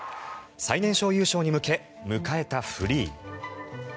最年少優勝に向け迎えたフリー。